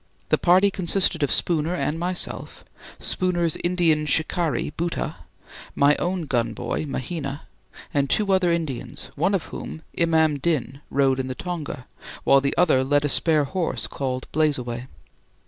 The party consisted of Spooner and myself, Spooner's Indian shikari Bhoota, my own gun boy Mahina, and two other Indians, one of whom, Imam Din, rode in the tonga, while the other led a spare horse called "Blazeaway."